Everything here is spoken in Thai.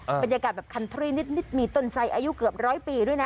บรรยากาศแบบคันทรี่นิดมีต้นไสอายุเกือบร้อยปีด้วยนะ